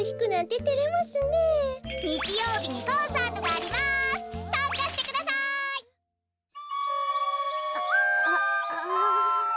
ああああ。